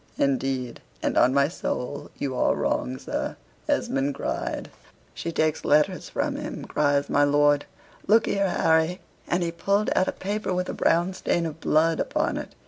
"Indeed, and on my soul, you are wrong, sir," Esmond cried. "She takes letters from him," cries my lord "look here, Harry," and he pulled out a paper with a brown stain of blood upon it.